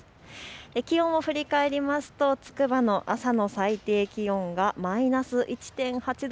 気温を振り返りますと朝の最低気温はマイナス１．８度。